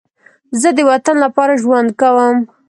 زه د وطن لپاره ژوند کوم